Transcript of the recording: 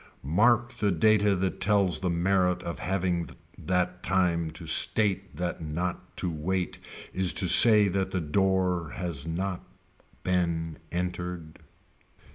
Mark the data that tells the merit of having that time to state that not to wait is to say that the door has not been entered.